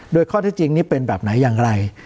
โดยข้อที่จริงนี่เป็นแบบไหนอย่างไร